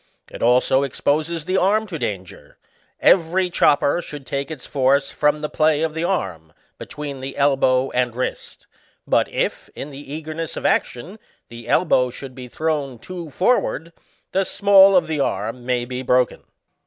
21 It also exposes the arm to danger ; every chop per should take its force from the play of the arm, between the elbow and wrist ; but if, in the eagerness of action, the elbow should be thrown too forward, the small of the arm may be broken.